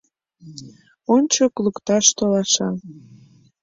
Ончык лукташ толаша.